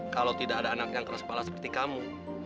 kalau tidak ada anak yang keras kepala seperti kamu